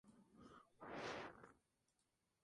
El hombre menstrual recibió críticas positivas.